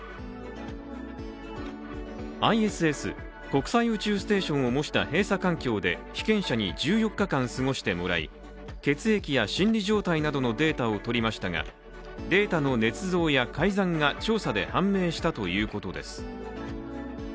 ＩＳＳ＝国際宇宙ステーションを模した閉鎖環境で、被験者に１４日間過ごしてもらい血液や心理状態などのデータを取りましたがデータのねつ造や改ざんが調査で判明したということです。